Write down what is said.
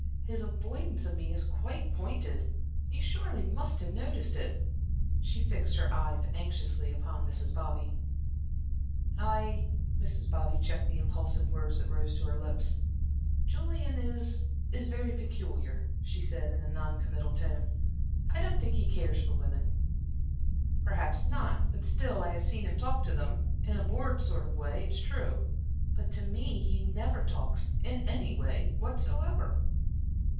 His avoidance of me is quite pointed you surely must have noticed it?" She fixed her eyes anxiously upon Mrs. Bobby. "I" Mrs. Bobby checked the impulsive words that rose to her lips. "Julian is is very peculiar," she said in a non committal tone. "I don't think he cares for women." "Perhaps not; but still I have seen him talk to them in a bored sort of way, it is true. But to me he never talks, in any way whatsoever."